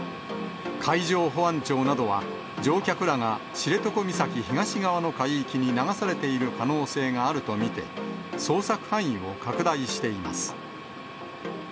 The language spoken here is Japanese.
海上保安庁などは、乗客らが知床岬東側の海域に流されている可能性があると見て、捜索範囲を拡大しています。